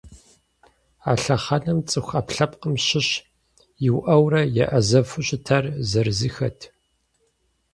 А лъэхъэнэм цӏыху ӏэпкълъэпкъым щыщ иуӏэурэ еӏэзэфу щытар зырызыххэт.